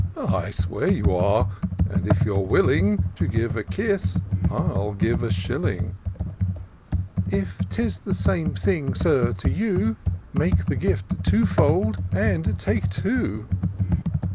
" I swear you are, and if you're willing To give a kiss, I'll give a shilling." " If 'tis the same thing, Sir, to you. Make the gift two fold, and take two."